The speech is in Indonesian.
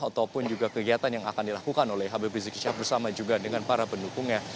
ataupun juga kegiatan yang akan dilakukan oleh habib rizik syihab bersama juga dengan para pendukungnya